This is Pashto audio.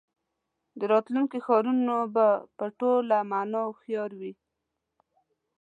د راتلونکي ښارونه به په ټوله مانا هوښیار وي.